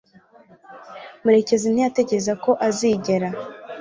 Murekezimana ntiyatekerezaga ko azigera